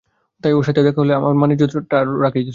তাই ওর সাথে তোর দেখা হলে আমার মান-ইজ্জৎ টা রাখিস দোস্ত।